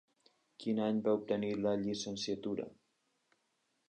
Quin any va obtenir la llicenciatura?